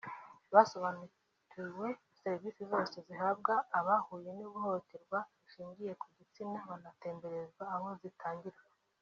basobanuriwe serivisi zose zihabwa abahuye n’ihohoterwa rishingiye ku gitsina banatemberezwa aho zitangirwa